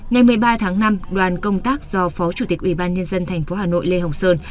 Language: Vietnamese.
ngày một mươi ba tháng năm đoàn công tác do phó chủ tịch ubnd tp hà nội lê hồng sơn